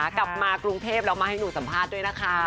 กลับมากรุงเทพแล้วมาให้หนูสัมภาษณ์ด้วยนะคะ